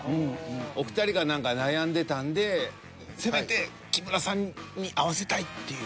お二人が何か悩んでたんでせめて木村さんに合わせたいっていう。